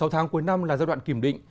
sáu tháng cuối năm là giai đoạn kìm định